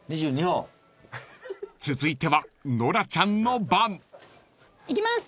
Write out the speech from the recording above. ［続いてはノラちゃんの番］いきます。